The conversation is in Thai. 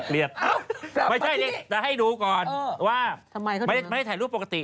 รีบไม่ใช่แต่ให้ดูก่อนว่าไม่ได้ถ่ายรูปปกติ